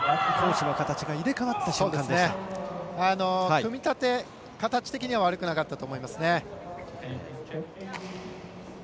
組み立て、形的には悪くなかったと思いますね。